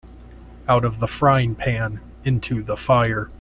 Out of the frying-pan into the fire.